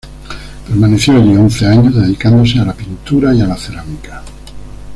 Permaneció allí once años, dedicándose a la pintura y a la cerámica.